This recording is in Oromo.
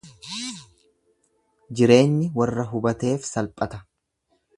Jireenyi warra hubateef salphata.